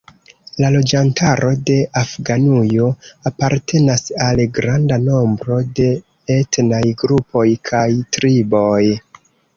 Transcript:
La loĝantaro de Afganujo apartenas al granda nombro de etnaj grupoj kaj triboj.